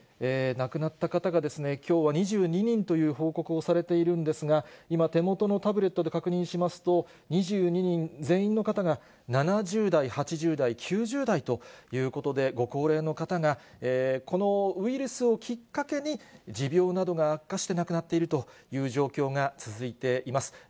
亡くなった方がきょうは２２人という報告をされているんですが、今、手元のタブレットで確認しますと、２２人全員の方が７０代、８０代、９０代ということで、ご高齢の方がこのウイルスをきっかけに、持病などが悪化して亡くなっているという状況が続いています。